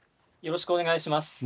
よろしくお願いします。